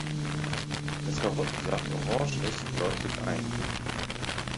Dass Karottensaft orange ist, leuchtet ein.